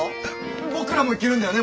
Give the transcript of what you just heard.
僕らも行けるんだよね？